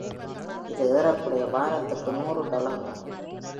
அது ஏறக்குறைய வாரத்திற்கு நூறு டாலர்கள்!